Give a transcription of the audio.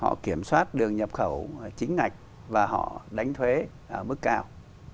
họ kiểm soát đường nhập khẩu chính ngạch và họ đánh thuế ở mức cao